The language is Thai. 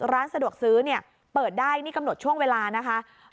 ร้านสะดวกซื้อเนี่ยเปิดได้นี่กำหนดช่วงเวลานะคะ